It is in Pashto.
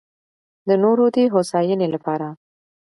د نورو دې هوساينۍ لپاره